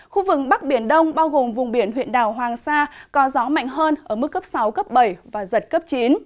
khu vực bắc biển đông bao gồm vùng biển huyện đảo hoàng sa có gió mạnh hơn ở mức cấp sáu cấp bảy và giật cấp chín